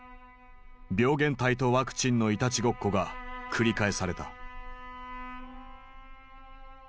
病原体とワクチンのいたちごっこが繰り返された。